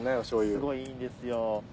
すごいいいんですよ。